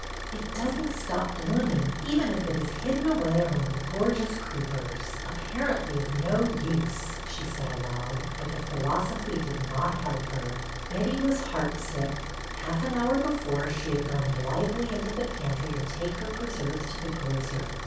It does n't stop blooming, even if it is hidden away among the gorgeous creepers, apparently «WE REGRET'' 151 of no use !" she said aloud ; but the philosophy did not help her. Betty was heartsick. Half an hour before she had gone blithely into the pantry to take her preserves to the grocer.